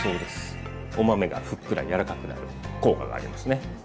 お豆がふっくら柔らかくなる効果がありますね。